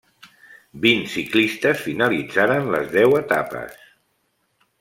Vint ciclistes finalitzaren les deu etapes.